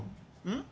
うん？